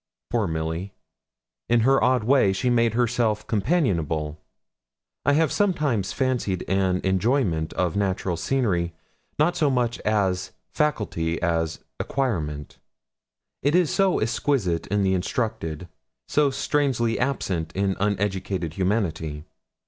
Poor Milly! In her odd way she made herself companionable. I have sometimes fancied an enjoyment of natural scenery not so much a faculty as an acquirement. It is so exquisite in the instructed, so strangely absent in uneducated humanity.